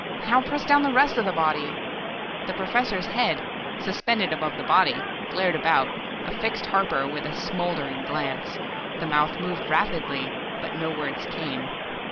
Now press down the rest of the body." The Professor's head, suspended above the body, glared about, affixed Harper with a smouldering glance. The mouth moved rapidly, but no words came.